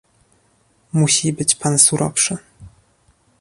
Musi być Pan surowszy